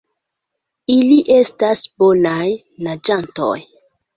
Ili estas bonaj naĝantoj.